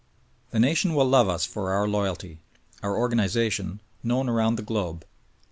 The nation will love us for our loyalty; our organization, known around the globe.